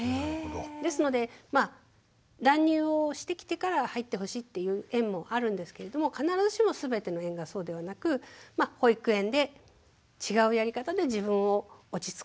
ですのでまあ断乳をしてきてから入ってほしいっていう園もあるんですけれども必ずしも全ての園がそうではなく保育園で違うやり方で自分を落ち着かせる。